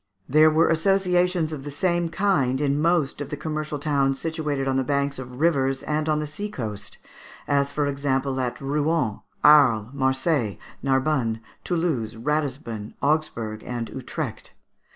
] There were associations of the same kind in most of the commercial towns situated on the banks of rivers and on the sea coast, as, for example, at Rouen, Arles, Marseilles, Narbonne, Toulouse, Ratisbon, Augsburg, and Utrecht.